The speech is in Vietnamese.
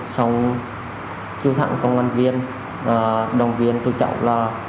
xong chú thẳng công an viên đồng viên tôi cháu là